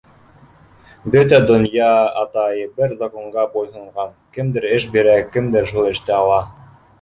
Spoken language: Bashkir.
Бөтә донъя, атай, бер законға буйһонған: кемдер эш бирә, кемдер шул эште ала.